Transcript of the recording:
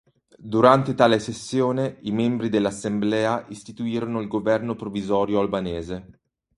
Durante tale sessione i membri dell'assemblea istituirono il governo provvisorio albanese.